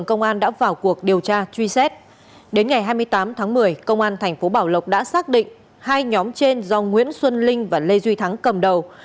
công an tp bảo lộc đã xác định hai nhóm trên do nguyễn xuân linh và lê duy thắng cầm đầu